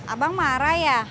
abang marah ya